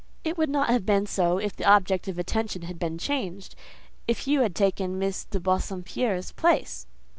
"It would not have been so if the object of attention had been changed: if you had taken Miss de Bassompierre's place."